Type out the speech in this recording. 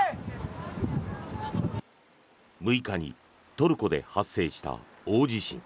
６日にトルコで発生した大地震。